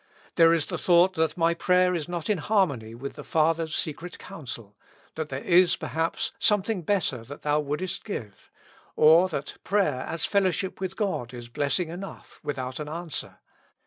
There is the thought that my prayer is not in harmony with the Father's secret counsel ; that there is, per haps, something better Thou wouldest give me ; or that prayer as fellowship with God is blessing enough without an answer.